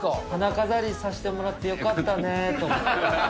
花飾りさせてもらってよかったねと思って。